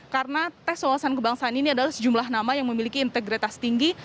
karena tes wawasan kebangsaan ini adalah sejumlah nama yang memiliki integritas tinggi